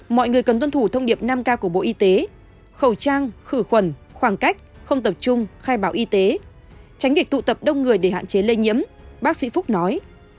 mọi người cần tuân thủ thông điệp năm k của bộ y tế khẩu trang khử khuẩn khoảng cách không tập trung khai báo y tế tránh việc tụ tập đông người để hạn chế lây nhiễm bác sĩ phúc nói